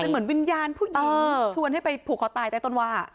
เหมือนวิญญาณผู้หญิงชวนให้ไปผูกคอตายใต้ต้นว่า